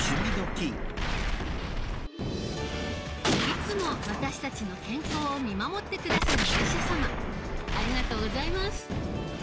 ⁉いつも私たちの健康を見守って下さるお医者様ありがとうございます。